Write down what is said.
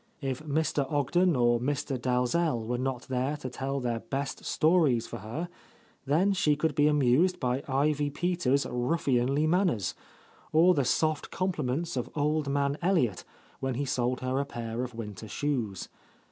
If Mr. Ogden or Mr. Dalzell were not there to tell their best stories for her, then she could be amused by Ivy Peters' ruffianly manners, or the soft compliments of old man Elliott when he sold her a pair of winter shoes.